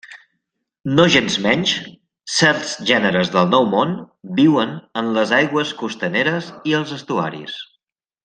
Nogensmenys, certs gèneres del Nou Món viuen en les aigües costaneres i els estuaris.